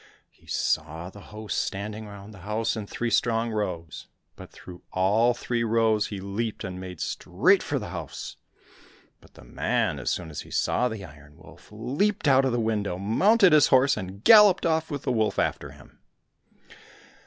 He saw the host standing round the house in three strong rows, but through all three rows he leaped and made straight for the house. But the man, as soon as he saw the Iron Wolf, leaped out of the window, mounted his horse, and galloped off with the wolf after him.